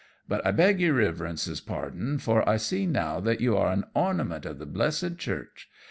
But I beg your Riverence's pardon, for I see now that you are an ornament of the blessed Church.